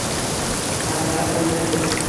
আর তারা কোন দেশের।